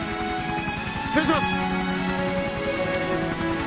失礼します。